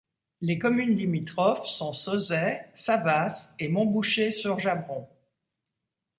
Les communes limitrophes sont Sauzet, Savasse et Montboucher-sur-Jabron.